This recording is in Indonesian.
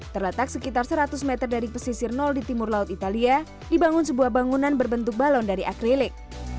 terletak sekitar seratus meter dari pesisir nol di timur laut italia dibangun sebuah bangunan berbentuk balon dari akrilik